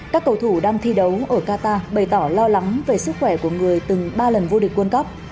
các cầu thủ đang thi đấu ở qatar bày tỏ lo lắng về sức khỏe của người từng ba lần vô địch quân cấp